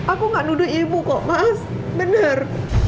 aku gak nuduh ibu kok mas bener